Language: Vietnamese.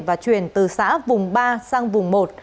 và truyền từ xã vùng ba sang vùng một